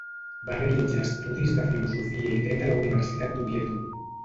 Va realitzar estudis de Filosofia i Dret a la Universitat d'Oviedo.